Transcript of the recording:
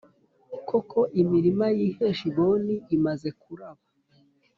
Koko, imirima y’i Heshiboni imaze kuraba,